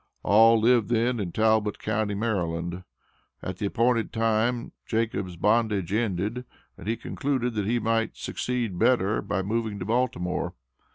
All lived then in Talbot county, Md. At the appointed time Jacob's bondage ended, and he concluded that he might succeed better by moving to Baltimore.